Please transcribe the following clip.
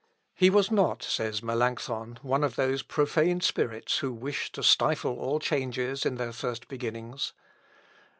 "He was not," says Melancthon, "one of those profane spirits who wish to stifle all changes in their first beginnings.